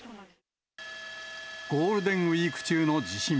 ゴールデンウィーク中の地震。